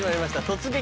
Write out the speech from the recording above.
「突撃！